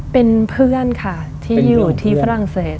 เป็นเพื่อนค่ะที่อยู่ที่ฝรั่งเศส